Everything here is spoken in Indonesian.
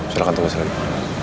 silahkan tunggu sebentar